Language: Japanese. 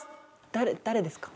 誰誰ですか？